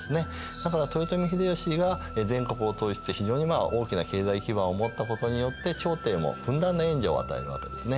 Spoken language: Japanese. だから豊臣秀吉が全国を統一して非常にまあ大きな経済基盤を持ったことによって朝廷もふんだんな援助を与えるわけですね。